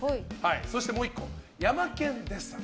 そして、もう１個ヤマケン・デッサン。